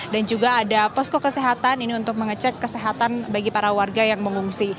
dan juga ada posko kesehatan ini untuk mengecek kesehatan bagi para warga yang mengungsi